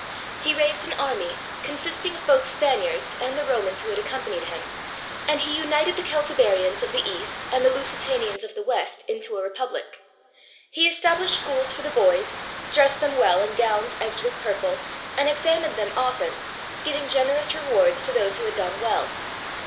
He raised an army, con sisting of both Spaniards and the Romans who had accom panied him, and he united the Celtiberians of the east and the Lusitanians of the west into a republic. He established schools for the boys, dressed them well in gowns edged with purple, and examined them often, giving generous rewards to those who had done well.